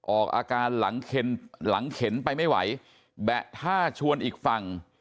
ออกอาการหลังเข็นหลังเข็นไปไม่ไหวแบะท่าชวนอีกฝั่ง